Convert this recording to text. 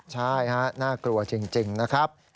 ใช่ฮะน่ากลัวจริงนะครับ